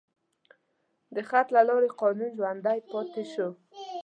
د خط له لارې قانون ژوندی پاتې شو.